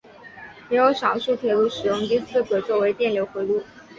也有少数铁路使用第四轨作为电流回路。